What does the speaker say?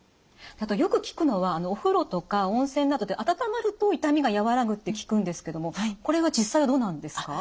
あとよく聞くのはお風呂とか温泉などで温まると痛みが和らぐって聞くんですけどもこれは実際はどうなんですか？